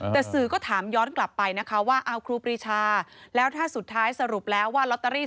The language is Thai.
แต่สื่อก็ถามย้อนกลับไปว่า